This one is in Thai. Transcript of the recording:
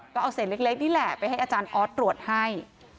ก็เอาเศษเล็กนี่แหละไปให้อาจารย์ออสตรวจให้